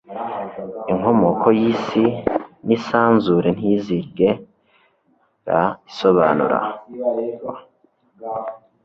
inkomoko yisi nisanzure ntizigera isobanurwa